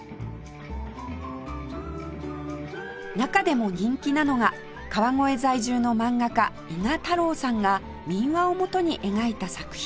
中でも人気なのが川越在住の漫画家伊賀太郎さんが民話をもとに描いた作品